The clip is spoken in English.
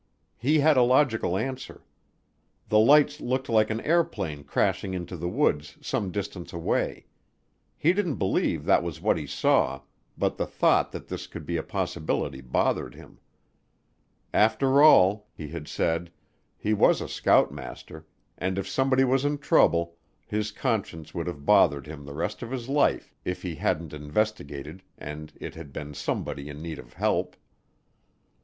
He had a logical answer. The lights looked like an airplane crashing into the woods some distance away. He didn't believe that was what he saw, but the thought that this could be a possibility bothered him. After all, he had said, he was a scoutmaster, and if somebody was in trouble, his conscience would have bothered him the rest of his life if he hadn't investigated and it had been somebody in need of help.